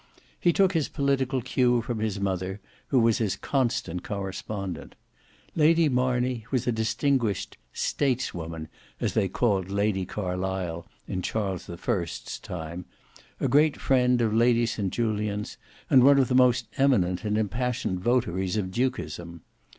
He took his political cue from his mother, who was his constant correspondent. Lady Marney was a distinguished "stateswoman," as they called Lady Carlisle in Charles the First's time, a great friend of Lady St Julians, and one of the most eminent and impassioned votaries of Dukism.